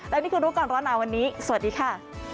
และนี่คือรู้ก่อนร้อนหนาวันนี้สวัสดีค่ะ